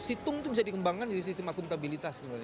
situng itu bisa dikembangkan jadi sistem akuntabilitas sebenarnya